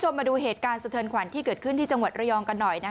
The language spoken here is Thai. มาดูเหตุการณ์สะเทินขวัญที่เกิดขึ้นที่จังหวัดระยองกันหน่อย